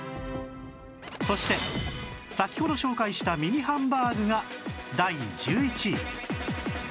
そして先ほど紹介したミニハンバーグが第１１位